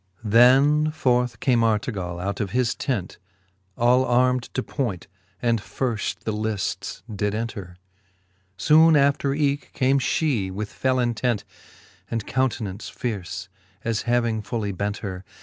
V. Then forth came Artegall out of his tent, All arm'd to point, and firft the lifts did enter r Soone after eke came fhe, with fell intent, And countenance fierce, as having fully bent her.